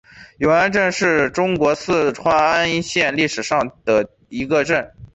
永安镇是中国四川安县历史上的一个镇。